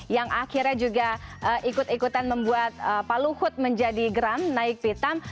yang akhirnya juga ikut ikutan membuat pak luhut menjadi geram naik pitam